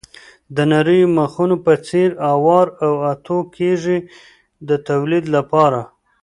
د نریو مخونو په څېر اوار او اتو کېږي د تولید لپاره.